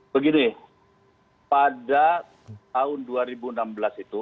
begini pada tahun dua ribu enam belas itu